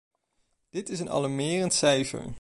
Dit is een alarmerend cijfer.